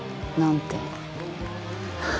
何て？